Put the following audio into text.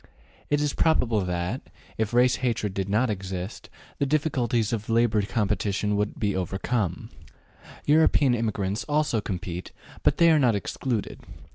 It is probable that, if race hatred did not exist, the difficulties of labor competition could be overcome. European immigrants also compete, but they are not excluded.